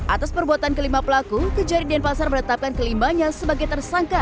atas perbuatan kelima pelaku kejari denpasar menetapkan kelimanya sebagai tersangka